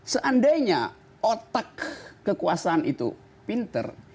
seandainya otak kekuasaan itu pinter